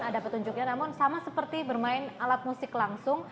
ada petunjuknya namun sama seperti bermain alat musik langsung